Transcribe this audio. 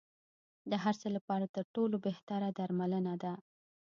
د هر څه لپاره تر ټولو بهتره درملنه ده.